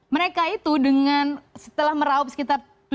mereka itu dengan setelah meraup sekitar